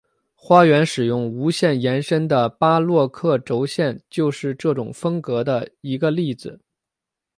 花园使用无限延伸的巴洛克轴线就是这种风格的一个例子。